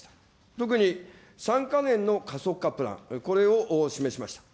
特に３か年の加速化プラン、これを示しました。